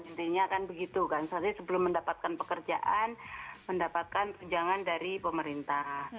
intinya kan begitu kan nanti sebelum mendapatkan pekerjaan mendapatkan tunjangan dari pemerintah